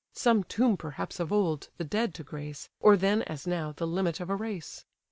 (Some tomb perhaps of old, the dead to grace; Or then, as now, the limit of a race.)